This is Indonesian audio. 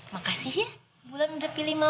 makasih ya bulan udah pilih mama